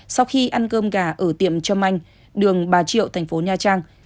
sau khi ăn cơm gà ở tiệm trâm anh đường bà triệu thành phố nha trang